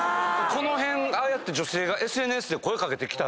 この辺ああやって女性がＳＮＳで声掛けてきたら。